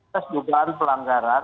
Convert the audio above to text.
terus juga ada pelanggaran